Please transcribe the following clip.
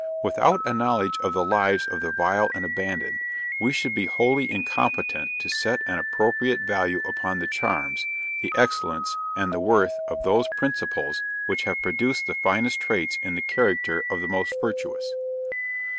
Without a knowledge of the lives of the vile and abandoned, we should be wholly incompetent to set an appropriate value upon the charms, the excellence and the worth of those principles which have produced the finest traits in the character of the most virtuous.